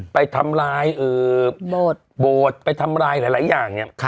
ไปทำลายโบสถ์ไปทำลายหลายอย่างเนี่ย